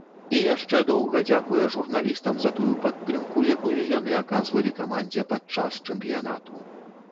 І яшчэ доўга дзякуе журналістам за тую падтрымку, якую яны аказвалі камандзе падчас чэмпіянату.